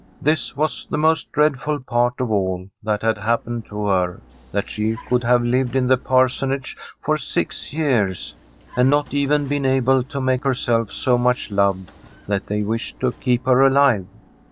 This was the most dreadful part of all that had happened to her : that she could have lived in the Parsonage for six years, and not even been able to make her self so much loved that they wished to keep her alive.